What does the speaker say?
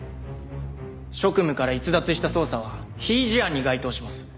職務から逸脱した捜査は非違事案に該当します。